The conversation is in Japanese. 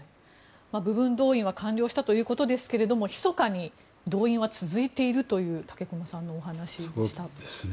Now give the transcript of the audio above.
部分動員は完了したということですけどひそかに動員は続いているという武隈さんのお話でした。